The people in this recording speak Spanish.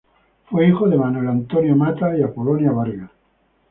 Fue hijo de Manuel Antonio Matta y Apolonia Vargas.